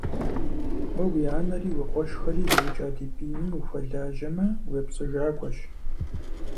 Уэ уи анэри уи къуэшхэри зыукӀа ди бийм ухуэлажьэмэ, уепцӀыжакӀуэщ!